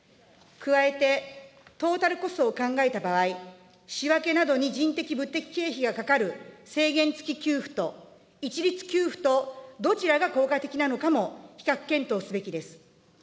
加えて、トータルコストを考えた場合、仕分けなどに人的・物的経費がかかる制限付き給付と一律給付と、どちらが効果的なのかも比較検討すべきです。